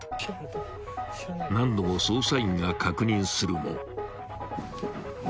［何度も捜査員が確認するも］